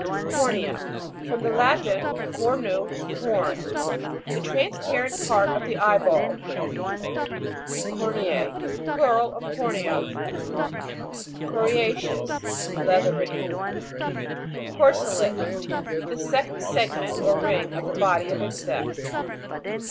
COR'NEA. From the Latin, cornu, horn. The transparent part of the eye ball. COR'NEA. Plural of cornea. CORIA'CEOUS. Leathery. CORSE'LET. The second segment or ring of the body of insects.